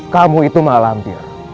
kamu itu mak lampir